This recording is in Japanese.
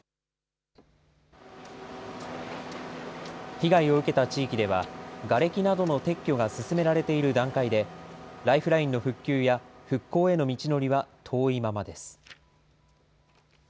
被害を受けた地域ではがれきなどの撤去が進められている段階でライフラインの復旧や復興への道のりは遠いままです。